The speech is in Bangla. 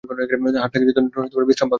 হাতটা কিছুদিনের জন্য বিশ্রাম পাবে।